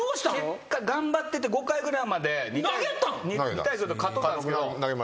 結果頑張ってて５回ぐらいまで２対０で勝っとったんですけど。